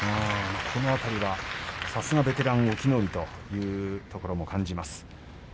この辺りはさすがはベテラン隠岐の海というところを感じます。